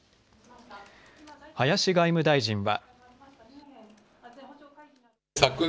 林外務大臣は。